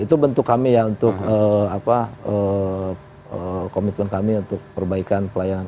itu bentuk kami ya untuk komitmen kami untuk perbaikan pelayanan